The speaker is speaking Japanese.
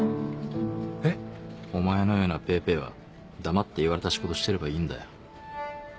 えっ？お前のようなペーペーは黙って言われた仕事してればいいんだよ。